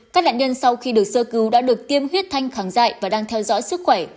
các nạn nhân sau khi được sơ cứu đã được tiêm huyết thanh kháng dại và đang theo dõi sức khỏe